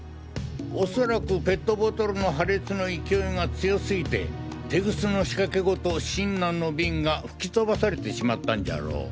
おそらくペットボトルの破裂の勢いが強すぎてテグスの仕掛けごとシンナーのビンが吹き飛ばされてしまったんじゃろう。